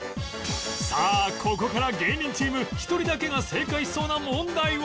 さあここから芸人チーム１人だけが正解しそうな問題は？